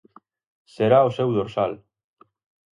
Será o seu dorsal.